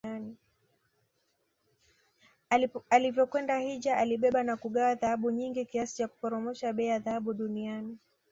Alivyokwenda hijja alibeba na kugawa dhahabu nyingi kiasi cha kuporomosha bei ya dhahabu duniani